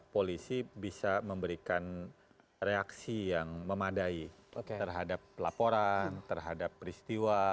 polisi bisa memberikan reaksi yang memadai terhadap laporan terhadap peristiwa